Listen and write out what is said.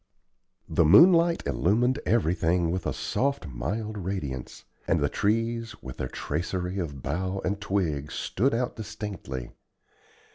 The moonlight illumined everything with a soft, mild radiance; and the trees, with their tracery of bough and twig, stood out distinctly.